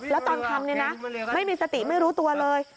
แล้วตอนทำเนี่ยนะไม่มีสติไม่รู้ตัวเลย